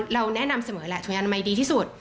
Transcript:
เราแนะนำเสมอแล้วถุงยางอนามัยดีที่สุด